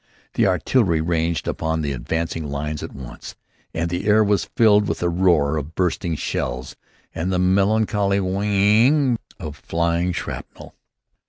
The artillery ranged upon the advancing lines at once, and the air was filled with the roar of bursting shells and the melancholy whing g g g of flying shrapnel.